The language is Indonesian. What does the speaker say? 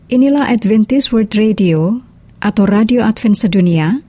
inilah adventist world radio atau radio advent sedunia